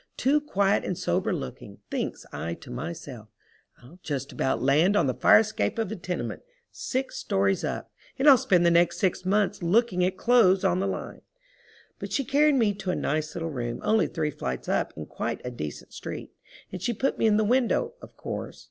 Too quiet and sober looking. Thinks I to myself: "I'll just about land on the fire escape of a tenement, six stories up. And I'll spend the next six months looking at clothes on the line." But she carried me to a nice little room only three flights up in quite a decent street. And she put me in the window, of course.